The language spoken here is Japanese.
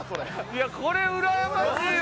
いやこれうらやましいわ！